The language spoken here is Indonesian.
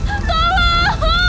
itu masih juga